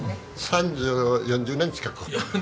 ３０４０年近く。